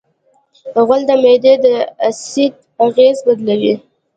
غول د معدې د اسید اغېز بدلوي.